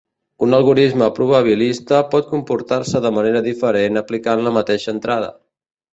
Un algorisme probabilista pot comportar-se de manera diferent aplicant la mateixa entrada.